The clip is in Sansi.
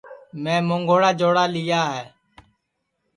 میں مونٚگوڑا جوڑا لیا ہے